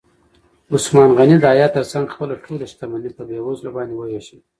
عثمان غني د حیا تر څنګ خپله ټوله شتمني په بېوزلو باندې ووېشله.